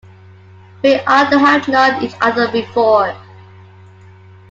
We ought to have known each other before.